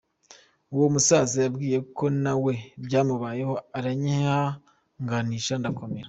Uwo musaza yambwiye ko na we byamubayeho aranyihanganisha ndakomera.